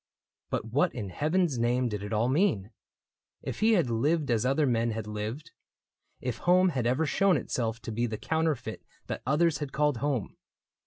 But what in heaven's name did it all mean ? If he had lived as other men had lived. If home had ever shown itself to be The counterfeit that others had called home.